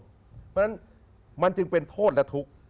เพราะฉะนั้นมันจึงเป็นโทษและทุกข์